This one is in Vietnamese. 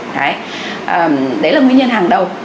đấy là nguyên nhân hàng đầu